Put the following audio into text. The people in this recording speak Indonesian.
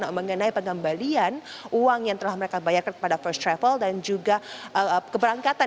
karena mengenai pengembalian uang yang telah mereka bayarkan kepada first travel dan juga keberangkatan